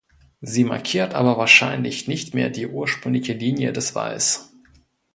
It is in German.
Sie markiert aber wahrscheinlich nicht mehr die ursprüngliche Linie des Walls.